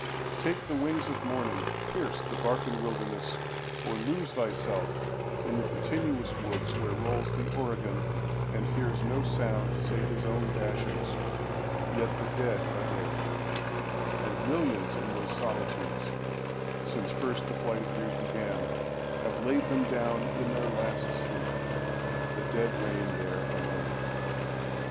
—Take the wingsOf morning, pierce the Barcan wilderness, Or lose thyself in the continuous woodsWhere rolls the Oregon, and hears no sound, Save his own dashings,—yet the dead are there:And millions in those solitudes, since firstThe flight of years began, have laid them downIn their last sleep—the dead reign there alone.